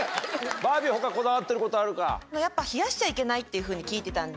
バービー他こだわってることあるか？っていうふうに聞いてたんで。